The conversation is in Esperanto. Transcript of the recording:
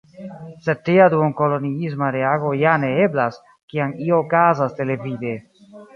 Sed tia duon-koloniisma reago ja ne eblas, kiam io okazas televide.